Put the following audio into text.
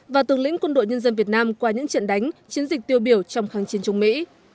và tướng lĩnh quân đội nhân dân việt nam qua những trận đánh chiến dịch tiêu biểu trong kháng chiến chống mỹ